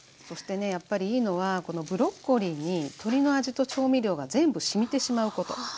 そしてねやっぱりいいのはこのブロッコリーに鶏の味と調味料が全部しみてしまうこと。